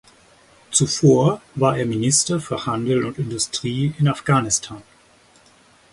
Zuvor war er Minister für Handel und Industrie in Afghanistan.